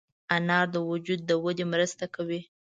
انار د وجود د ودې مرسته کوي.